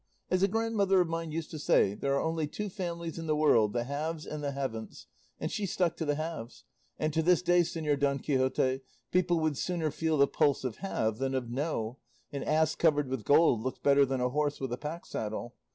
As a grandmother of mine used to say, there are only two families in the world, the Haves and the Haven'ts; and she stuck to the Haves; and to this day, Señor Don Quixote, people would sooner feel the pulse of 'Have,' than of 'Know;' an ass covered with gold looks better than a horse with a pack saddle.